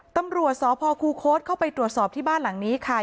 ตำรวจสพคูโค้ดเข้าไปตรวจสอบที่บ้านหลังนี้ค่ะ